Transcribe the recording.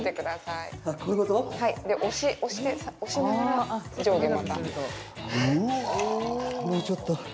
で、押しながら上下また。